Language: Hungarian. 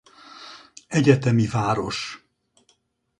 Egyetemi város.